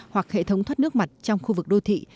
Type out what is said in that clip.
hoặc hệ thống thoát nước mặt trong khu vực đô thị